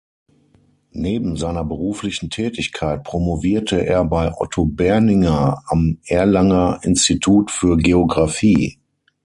Neben seiner beruflichen Tätigkeit promovierte er bei Otto Berninger am Erlanger Institut für Geographie.